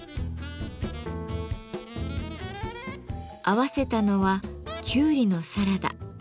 合わせたのはキュウリのサラダ。